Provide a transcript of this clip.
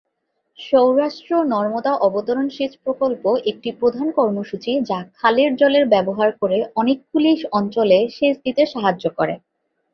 সৌরাষ্ট্র নর্মদা অবতরন সেচ প্রকল্প একটি প্রধান কর্মসূচী যা খালের জলের ব্যবহার করে অনেকগুলি অঞ্চলে সেচ দিতে সাহায্য করে।